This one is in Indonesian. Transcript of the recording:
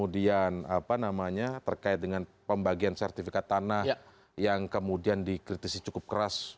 dan apa namanya terkait dengan pembagian sertifikat tanah yang kemudian dikritisi cukup keras